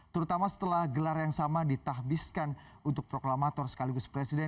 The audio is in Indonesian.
terutama setelah gelar yang sama ditahbiskan untuk proklamator sekaligus presiden